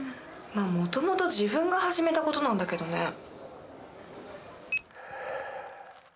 まあもともと自分が始めた事なんだけどね。